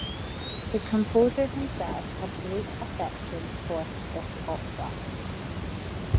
The composer himself had great affection for this opera.